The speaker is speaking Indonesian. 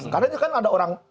karena ini kan ada orang